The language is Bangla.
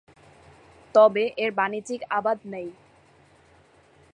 তবে এর বাণিজ্যিক আবাদ নেই।